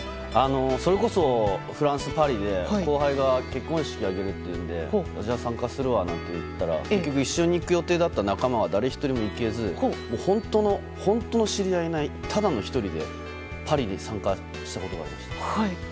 それこそ、フランスのパリで後輩が結婚式を挙げるってことでじゃあ参加するわって言ったら結局一緒に行く予定だった仲間が誰１人行けず本当の知り合いのいないただの１人でパリへ参加しに行きました。